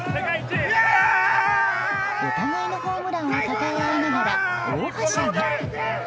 お互いのホームランをたたえ合いながら大はしゃぎ。